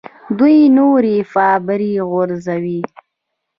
دوی نوري فایبر غځوي.